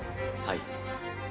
はい。